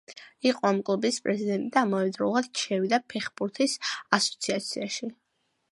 იყო ამ კლუბის პრეზიდენტი და ამავდროულად შევიდა ფეხბურთის ასოციაციაში.